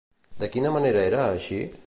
De quina manera era, així?